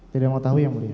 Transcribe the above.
tidak mau tahu ya muridnya